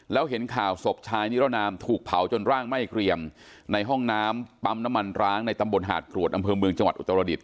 แล้วเห็นข่าวศพชายนิรนามถูกเผาจนร่างไหม้เกรียมในห้องน้ำปั๊มน้ำมันร้างในตำบลหาดกรวดอำเภอเมืองจังหวัดอุตรดิษ